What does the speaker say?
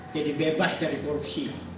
jadi bebas dari korupsi